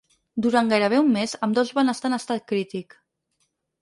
Durant gairebé un mes, ambdós van estar en estat crític.